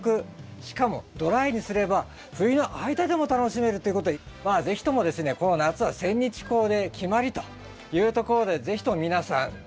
しかもドライにすれば冬の間でも楽しめるということでまあ是非ともですねこの夏はセンニチコウで決まりというところで是非とも皆さん